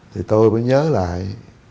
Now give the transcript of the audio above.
thì tôi mới nhớ lại